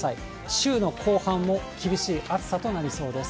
週の後半も厳しい暑さとなりそうです。